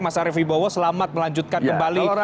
mas arief ibowo selamat melanjutkan kembali